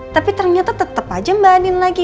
tapi ternyata tetep aja mbak andin lagi